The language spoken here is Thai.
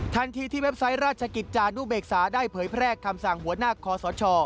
ทันทีที่เว็บไซต์ราชกิจจานุเบกษาได้เผยแพร่คำสั่งหัวหน้าคอสช